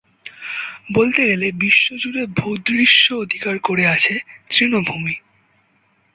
বলতে গেলে বিশ্বজুড়ে ভূদৃশ্য অধিকার করে আছে তৃণভূমি।